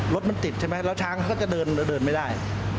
รถมันติดใช่ไหมแล้วช้างเขาก็จะเดินไม่ได้